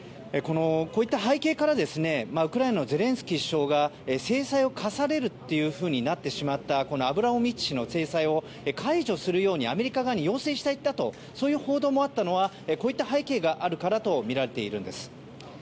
こういった背景からウクライナのゼレンスキー大統領が制裁を科されるというふうになってしまったアブラモビッチ氏の制裁を解除するようにアメリカ側に要請していったとそういう報道もあったのはこういった背景があったからだとみられているんです。